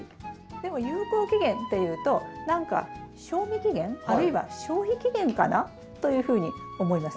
でも有効期限っていうと何か賞味期限あるいは消費期限かな？というふうに思います。